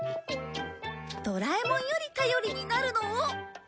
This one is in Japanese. ドラえもんより頼りになるのを。